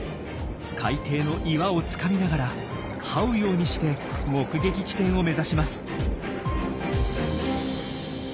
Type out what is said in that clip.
海底の岩をつかみながらはうようにして目撃地点を目指します。